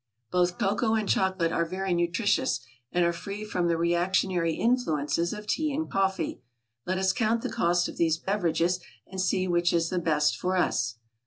Both cocoa and chocolate are very nutritious, and are free from the reactionary influences of tea and coffee. Let us count the cost of these beverages, and see which is the best for us.